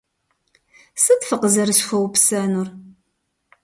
Сыт фыкъызэрысхуэупсэнур?